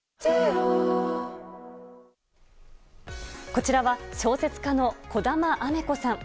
こちらは小説家の児玉雨子さん。